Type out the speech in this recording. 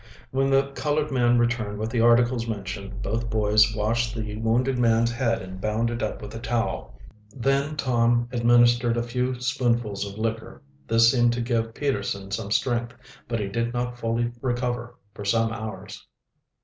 When the colored man returned with the articles mentioned both boys washed the wounded man's head and bound it up with a towel. Then Tom administered a few spoonfuls of liquor. This seemed to give Peterson some strength, but he did not fully recover for some hours.